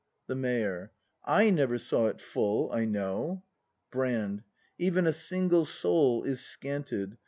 The Mayor. I never saw it full, I know. Brand. Even a single soul is scanted.